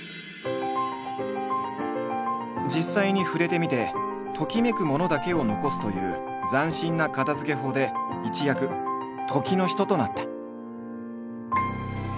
実際に触れてみて「ときめく物」だけを残すという斬新な片づけ法で一躍時の人となった。